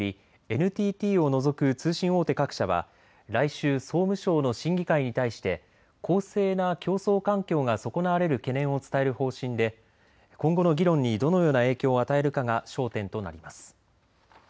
ＮＴＴを除く通信大手各社は来週、総務省の審議会に対して公正な競争環境が損なわれる懸念を伝える方針で今後の議論に、どのような影響を与えるかが焦点となります。